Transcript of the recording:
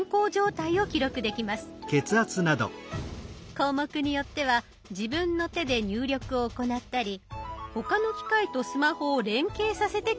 項目によっては自分の手で入力を行ったり他の機械とスマホを連携させて記録します。